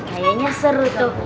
kayaknya seru tuh